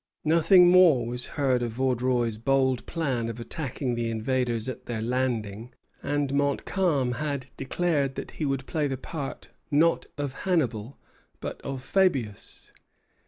Nothing more was heard of Vaudreuil's bold plan of attacking the invaders at their landing; and Montcalm had declared that he would play the part, not of Hannibal, but of Fabius.